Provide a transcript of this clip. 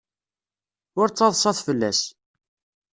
Ur ttaḍsat fell-as.